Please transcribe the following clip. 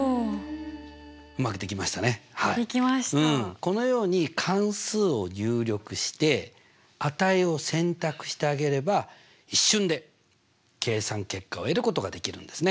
このように関数を入力して値を選択してあげれば一瞬で計算結果を得ることができるんですね。